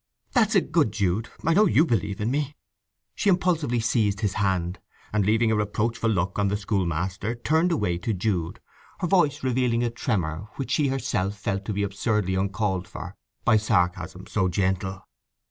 "That's a good Jude—I know you believe in me!" She impulsively seized his hand, and leaving a reproachful look on the schoolmaster turned away to Jude, her voice revealing a tremor which she herself felt to be absurdly uncalled for by sarcasm so gentle.